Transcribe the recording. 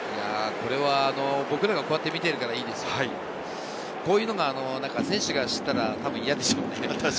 僕らがこうやって見ているからいいんですけれど、こういうのを選手が知ったら嫌でしょう